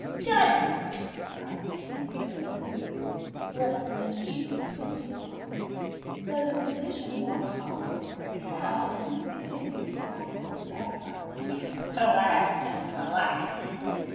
"Done !" cried Mr. Vinegar in a hurry, lest the man should repent of his offer. So the musician walked off with the red cow, and Mr. Vinegar tried to play the bagpipes. But, alas, and alack